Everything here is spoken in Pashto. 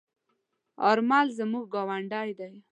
آرمل زموږ گاوندی دی.